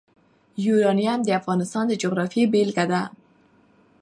یورانیم د افغانستان د جغرافیې بېلګه ده.